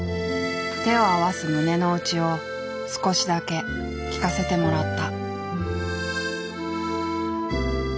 手を合わす胸の内を少しだけ聞かせてもらった。